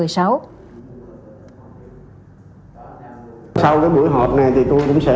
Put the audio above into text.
sau buổi họp này tôi cũng sẽ